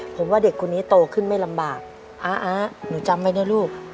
ผมว่าเด็กคนนี้โตขึ้นไม่ลำบากอาหนูจำไว้นะลูก